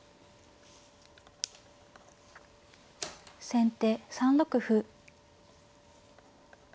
先手３六歩。